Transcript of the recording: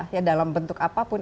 ya dalam bentuk apapun